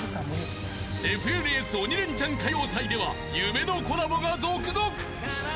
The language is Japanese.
ＦＮＳ鬼レンチャン歌謡祭では夢のコラボが続々。